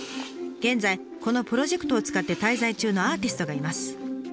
現在このプロジェクトを使って滞在中のアーティストがいます。